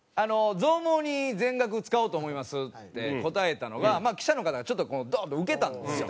「増毛に全額使おうと思います」って答えたのが記者の方がちょっとドーンとウケたんですよ。